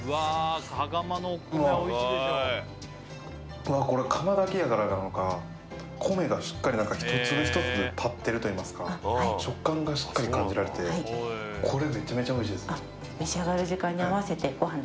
うわこれ釜炊きやからなのか米がしっかり一粒一粒立ってるといいますか食感がしっかり感じられてこれめちゃめちゃおいしいですあっそうなんですね